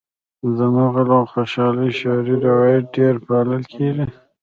د مغل او خوشحال شعري روایت ډېر پالل کیږي